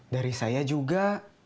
dari saya juga